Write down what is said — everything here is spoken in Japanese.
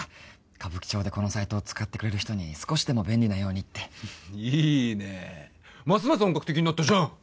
歌舞伎町でこのサイトを使ってくれる人に少しでも便利なようにっていいねますます本格的になったじゃん！